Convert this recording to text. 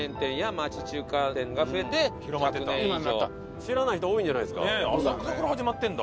知らない人多いんじゃないですか。